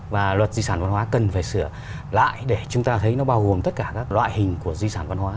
và luật di sản văn hóa cần phải sửa lại để chúng ta thấy nó bao gồm tất cả các loại hình của di sản văn hóa